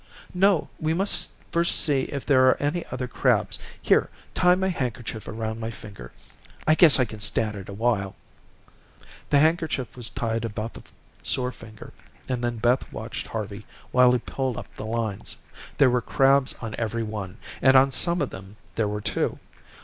"No, we must first see if there are any other crabs. Here, tie my handkerchief around my finger. I guess I can stand it awhile." The handkerchief was tied about the sore finger, and then Beth watched Harvey while he pulled up the lines. There were crabs on every one, and on some of them there were two.